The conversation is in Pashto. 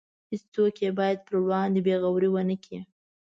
هیڅوک یې باید پر وړاندې بې غورۍ ونکړي.